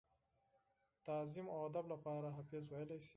تعظيم او ادب دپاره حافظ وئيلی شي ۔